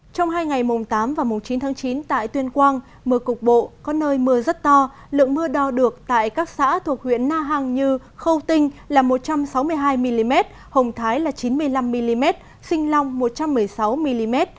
trong hai ngày mùng tám và mùng chín tháng chín tại tuyên quang mưa cục bộ có nơi mưa rất to lượng mưa đo được tại các xã thuộc huyện na hàng như khâu tinh là một trăm sáu mươi hai mm hồng thái là chín mươi năm mm sinh long một trăm một mươi sáu mm